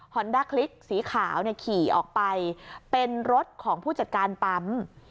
อนดาคลิกสีขาวเนี่ยขี่ออกไปเป็นรถของผู้จัดการปั๊ม